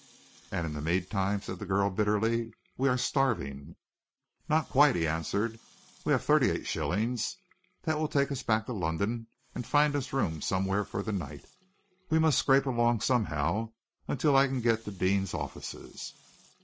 "And in the meantime," said the girl bitterly, "we are starving." "Not quite," he answered. "We have thirty eight shillings. That will take us back to London, and find us rooms somewhere for the night. We must scrape along somehow until I can get to Deane's offices."